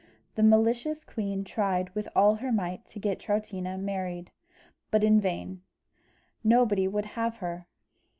The malicious queen tried with all her might to get Troutina married, but in vain. Nobody would have her.